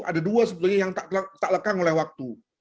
ada dua sebenarnya yang tak lekang oleh waktu